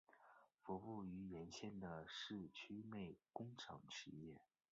服务于沿线的市区内工厂企业。